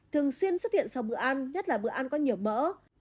thường xuyên xuất hiện sau bữa ăn nhất là bữa ăn có nhiều mỡ